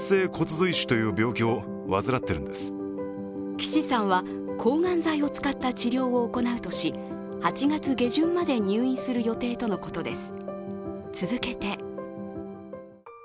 岸さんは抗がん剤を使った治療を行うとし、８月下旬まで入院する予定とのことです。